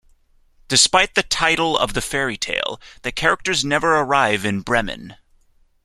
Despite the title of the fairy tale, the characters never arrive in Bremen.